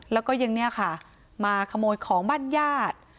แล้วก็ยังเนี่ยค่ะมาขโมยของบ้านญาติ